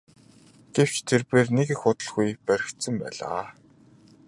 Гэвч тэрбээр нэг их удалгүй баригдсан байлаа.